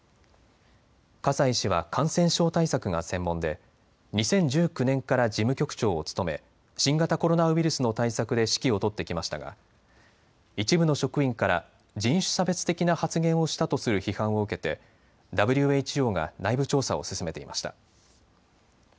葛西氏は感染症対策が専門で２０１９年から事務局長を務め新型コロナウイルスの対策で指揮を執ってきましたが一部の職員から人種差別的な発言をしたとする批判を受けてＷＨＯが内部調査を進めていました。